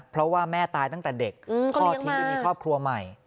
เพราะว่าแม่ตายตั้งแต่เด็กคลอดทิ้งไปมีครอบครัวใหม่